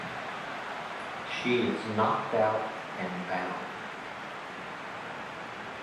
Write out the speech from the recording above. She is knocked out and bound.